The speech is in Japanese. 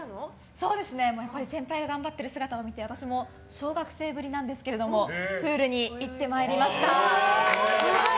先輩が頑張っている姿を見て私も小学生ぶりなんですけどプールに行ってまいりました。